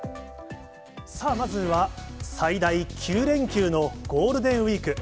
さあ、まずは最大９連休のゴールデンウィーク。